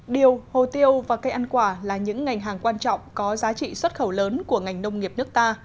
điều hồ tiêu và cây ăn quả là những ngành hàng quan trọng có giá trị xuất khẩu lớn của ngành nông nghiệp nước ta